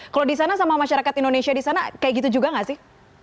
kalau di sana sama masyarakat indonesia di sana kayak gitu juga gak sih